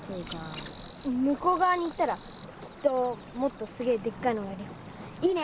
向こうがわに行ったらきっともっとすげえでっかいのがいるよ。いいね。